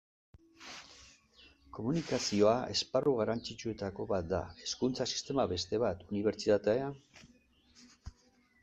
Komunikazioa esparru garrantzitsuetako bat da, hezkuntza sistema beste bat, unibertsitatea...